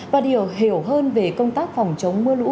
và điều hiểu hơn về công tác phòng chống mưa lũ